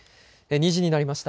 ２時になりました。